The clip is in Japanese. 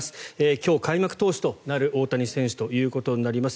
今日、開幕投手となる大谷選手となります。